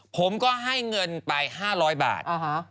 ผมก็ให้เงินไป๕๐๐บาท